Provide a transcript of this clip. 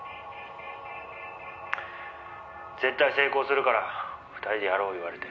「絶対成功するから２人でやろう言われて」